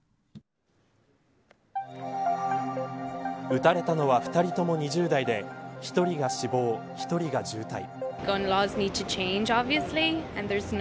撃たれたのは２人とも２０代で１人が死亡、１人が重体。